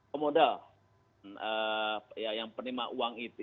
pemodal yang penerima uang itu